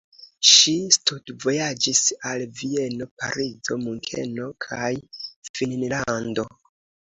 Ŝi studvojaĝis al Vieno, Parizo, Munkeno kaj Finnlando.